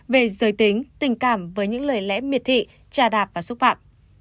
về giới tính tình cảm với những lời lẽ miệt thị trà đạp và xúc phạm